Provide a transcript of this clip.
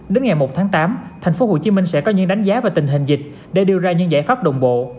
đến ngày một tháng tám tp hcm sẽ có những đánh giá về tình hình dịch để đưa ra những giải pháp đồng bộ